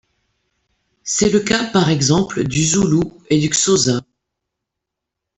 C'est le cas, par exemple, du zoulou et du xhosa.